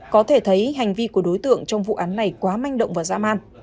có thể thấy hành vi của đối tượng trong vụ án này quá manh động và dã man